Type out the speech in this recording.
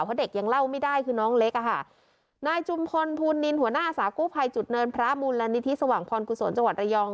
เพราะเด็กยังเล่าไม่ได้คือน้องเล็กอ่ะค่ะนายจุมพลภูลนินหัวหน้าอาสากู้ภัยจุดเนินพระมูลและนิธิสว่างพรกุศลจังหวัดระยอง